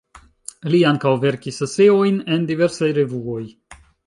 Li ankaŭ verkis eseojn en diversaj revuoj.